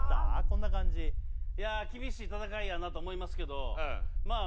こんな感じいや厳しい戦いやなと思いますけどまあ